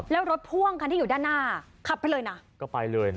แล้วรถพ่วงคันที่อยู่ด้านหน้าขับไปเลยนะก็ไปเลยนะ